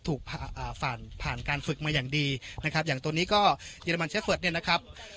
ผ่านผ่านการฝึกมาอย่างดีนะครับอย่างตัวนี้ก็เยอรมันเชฟเฟิร์ตเนี่ยนะครับ